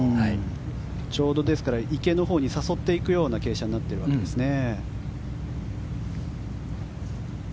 ちょうど池のほうに誘っていくような傾斜になっているんですね。